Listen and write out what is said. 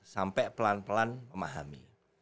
sampai pelan pelan memahami